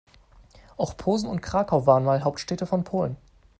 Auch Posen und Krakau waren mal Hauptstädte von Polen.